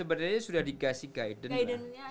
sebenarnya sudah dikasih guidance